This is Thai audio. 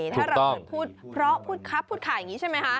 ถ้าเราเกิดพูดเพราะพูดครับพูดขายอย่างนี้ใช่ไหมคะ